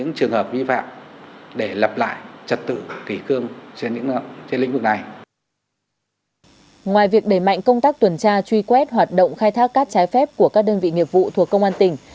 ngoài việc đẩy mạnh công tác tuần tra truy quét hoạt động khai thác cát trái phép của các đơn vị nghiệp vụ thuộc công an tỉnh